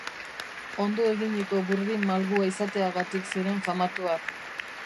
Ondo eginiko burdin malgua izateagatik ziren famatuak.